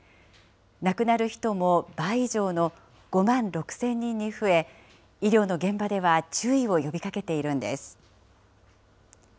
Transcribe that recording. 亡くなる人も倍以上の５万６０００人に増え、医療の現場では注意を呼びかけているんです。